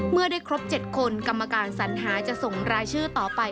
เมื่อได้ครบ๗คนกรรมการสัญหาจะส่งรายชื่อต่อไป